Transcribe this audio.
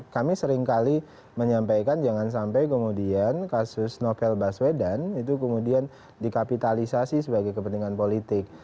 kami seringkali menyampaikan jangan sampai kemudian kasus novel baswedan itu kemudian dikapitalisasi sebagai kepentingan politik